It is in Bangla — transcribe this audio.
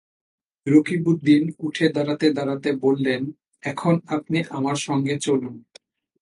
রকিবউদ্দিন উঠে দাঁড়াতে-দাঁড়াতে বললেন, এখন আপনি আমার সঙ্গে চলুন।